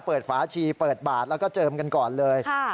ฝาชีเปิดบาทแล้วก็เจิมกันก่อนเลย